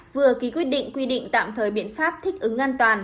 vừa ký quyết định quy định tạm thời biện pháp thích ứng an toàn